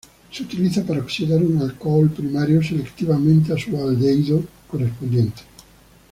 Se utiliza para oxidar un alcohol primario selectivamente a su aldehído correspondiente.